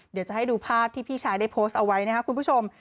เดี๋ยวจะให้ดูภาพที่พี่ชายได้โพสต์เอาไว้นะครับคุณผู้ชม